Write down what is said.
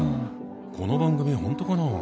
この番組本当かな？